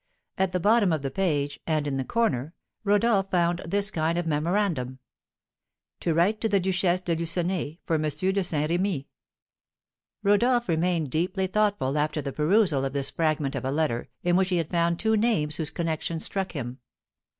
At the bottom of the page, and in the corner, Rodolph found this kind of memorandum: "To write to the Duchesse de Lucenay, for M. de Saint Remy." Rodolph remained deeply thoughtful after the perusal of this fragment of a letter, in which he had found two names whose connection struck him.